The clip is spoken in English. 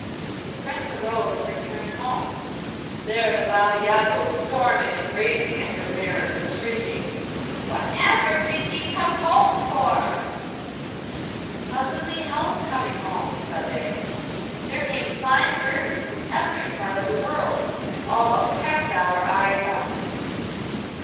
The Prince arose and returned home. There the Baba Yaga was storming and raging at her mares, and shrieking: 'Whatever did ye come home for?' 'How could we help coming home?' said they. 'There came flying birds from every part of the world, and all but pecked our eyes out.